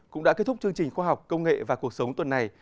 cũng đã kết thúc chương trình khoa học công nghệ và cuộc sống tuần này